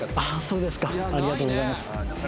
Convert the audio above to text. そうですかありがとうございます